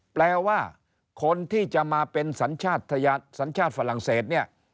แปลว่าคนที่จะมาเป็นสัญชาติสัญชาติฝรั่งเศสเนี่ย